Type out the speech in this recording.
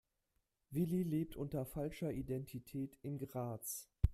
Willi lebt unter falscher Identität in Graz.